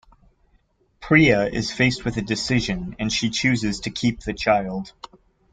Priya is faced with a decision, and she chooses to keep the child.